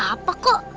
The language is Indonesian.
gak ada siapa kok